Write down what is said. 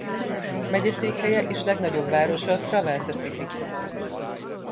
Megyeszékhelye és legnagyobb városa Traverse City.